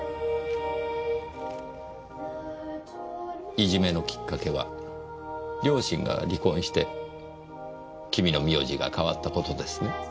いじめのきっかけは両親が離婚して君の名字が変わった事ですね？